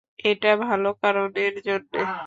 এটা ভালো কারণের জন্য।